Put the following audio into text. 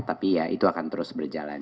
tapi ya itu akan terus berjalan